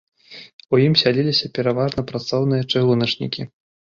У ім сяліліся пераважна працоўныя-чыгуначнікі.